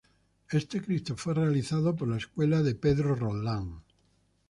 Este Cristo fue realizado por la escuela de Pedro Roldán.